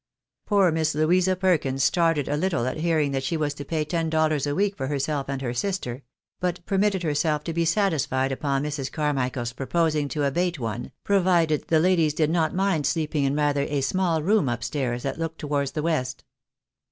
Poor Miss Louisa Perkins started a little at hearing that she was to pay ten dollars a week for herself and her sister ; but per mitted herself to be satisfied upon Mrs. Carmichael's proposing to abate one, provided the ladies did not mind sleeping in rather a small room up stairs that looked towards the west.